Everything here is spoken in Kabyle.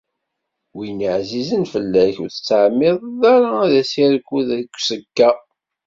Win ɛzizen fell-ak, ur tettɛemmideḍ ara ad irku deg uẓekka.